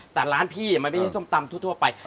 แต่ร้านพี่มันไม่ใช่ส้มตำทั่วไป